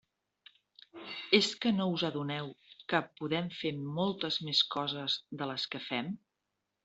És que no us adoneu que podem fer moltes més coses de les que fem?